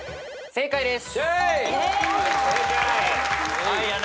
正解です。